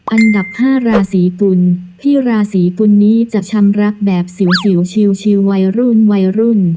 อันดับ๕ราศีกุลพี่ราศีกุลนี้จะชำรักแบบสิวชิววัยรุ่นวัยรุ่น